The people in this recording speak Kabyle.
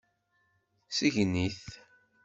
Sgen-it.